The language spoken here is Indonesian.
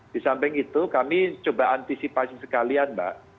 di samping itu kami coba antisipasi sekalian mbak